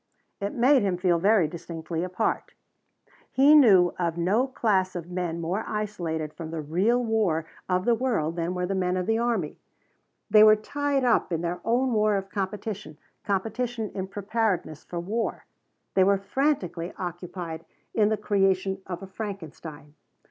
It made him feel very distinctly apart. He knew of no class of men more isolated from the real war of the world than were the men of the army. They were tied up in their own war of competition competition in preparedness for war. They were frantically occupied in the creation of a Frankenstein.